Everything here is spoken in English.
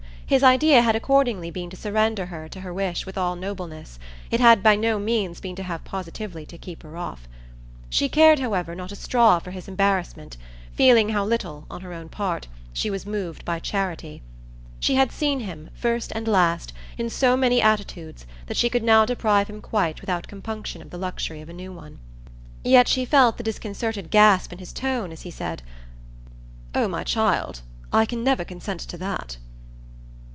His idea had accordingly been to surrender her to her wish with all nobleness; it had by no means been to have positively to keep her off. She cared, however, not a straw for his embarrassment feeling how little, on her own part, she was moved by charity. She had seen him, first and last, in so many attitudes that she could now deprive him quite without compunction of the luxury of a new one. Yet she felt the disconcerted gasp in his tone as he said: "Oh my child, I can never consent to that!"